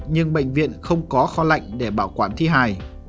nhưng bệnh viện không có kho lạnh để bảo quản thi hài